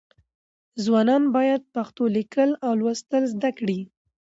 ځوانان باید پښتو لیکل او لوستل زده کړي.